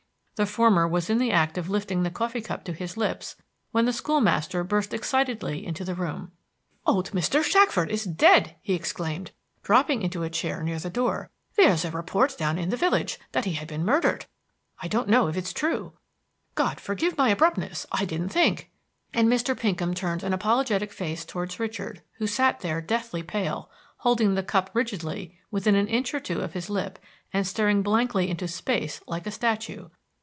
The former was in the act of lifting the coffee cup to his lips, when the school master burst excitedly into the room. "Old Mr. Shackford is dead!" he exclaimed, dropping into a chair near the door. "There's a report down in the village that he has been murdered. I don't know if it is true.... God forgive my abruptness! I didn't think!" and Mr. Pinkham turned an apologetic face towards Richard, who sat there deathly pale, holding the cup rigidly within an inch or two of his lip, and staring blankly into space like a statue.